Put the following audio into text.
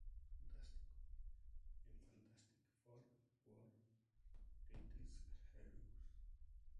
Fantástico en "Fantastic Four: World's Greatest Heroes".